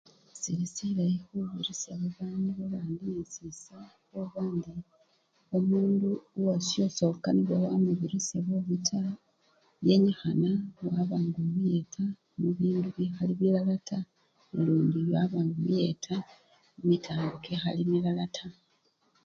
Sili silayi khubirisha babandu babandi nesisa khuba ndi omundu owasho sekanibwa wamubirisha bubi taa, yenyikhana waba nga omuyeta mubindu bikhali bilala taa nalundi waba nga omuyeta mumitala kikikhali milala taa.